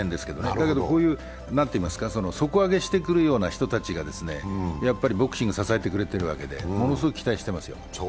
だけどこういう、底上げしてくるような人たちがボクシングを支えてくれているわけで、ものすごく期待してますよ。